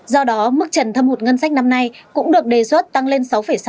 do đó mức trần thâm hụt ngân sách năm nay cũng được đề xuất tăng lên sáu sáu